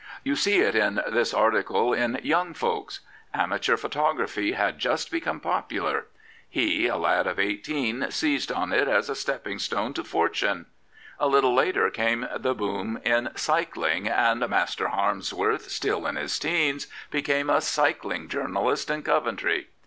You see it in this article in Young Folks. Amateur photography had just become popular. He, a lad of eighteen, seized on it as a stepping stone to fortune. A little later came the boom in cycling, and Master Harmsworth, still in his teens, became a cycling journalist in Coventry.